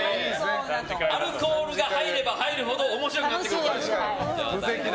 アルコールが入れば入るほど面白くなってくるやつ。